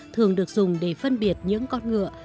thường được dùng để phân biệt những con ngựa